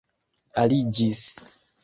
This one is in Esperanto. aliĝis